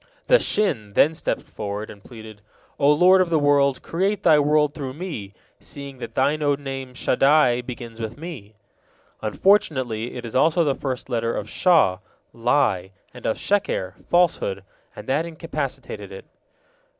The Shin then stepped forward, and pleaded: "O Lord of the world, create Thy world through me: seeing that Thine own name Shaddai begins with me." Unfortunately, it is also the first letter of Shaw, lie, and of Sheker, falsehood, and that incapacitated it.